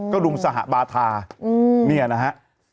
ก็ลุงสหบาทาเนี่ยนะฮะ